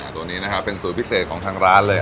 ตัวนี้นะครับเป็นสูตรพิเศษของทางร้านเลย